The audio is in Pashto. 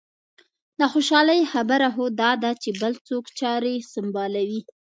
د خوشالۍ خبره خو دا ده چې بل څوک چارې سنبالوي.